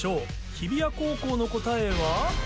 日比谷高校の答えは？